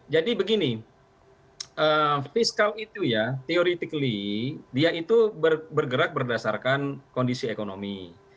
jadi begini fiskal itu ya teoretically dia itu bergerak berdasarkan kondisi ekonomi